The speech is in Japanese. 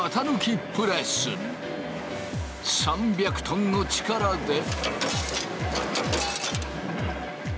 ３００トンの力で。